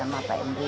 ada perubahnya gitu